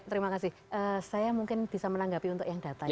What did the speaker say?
terima kasih saya mungkin bisa menanggapi untuk yang data